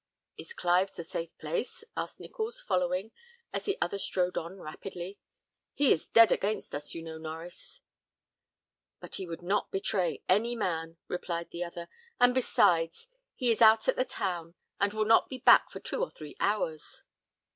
"Is Clive's a safe place?" asked Nichols, following, as the other strode on rapidly. "He is dead against us, you know, Norries." "But he would not betray any man," replied the other; "and besides, he is out at the town, and will not be back for two or three hours."